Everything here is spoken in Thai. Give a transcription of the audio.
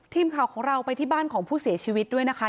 ทีมข่าวของเราไปที่บ้านของผู้เสียชีวิตด้วยนะคะ